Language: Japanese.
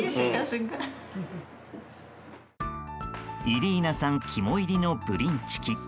イリーナさん肝煎りのブリンチキ。